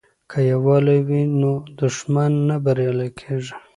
که یووالي وي نو دښمن نه بریالی کیږي.